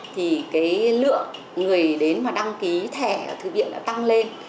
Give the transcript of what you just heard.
thì cái lượng người đến mà đăng ký thẻ ở thư viện đã tăng lên